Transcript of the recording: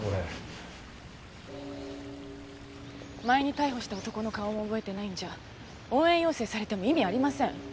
前に逮捕した男の顔も覚えてないんじゃ応援要請されても意味ありません。